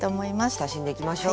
親しんでいきましょう。